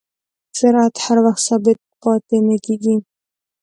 سرعت هر وخت ثابت پاتې نه کېږي.